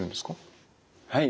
はい。